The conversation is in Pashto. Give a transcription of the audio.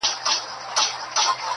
د سوځېدلو قلاګانو او ښارونو کوي!